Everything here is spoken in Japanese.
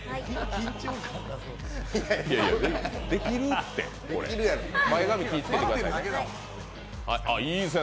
できるって前髪気つけてくださいね。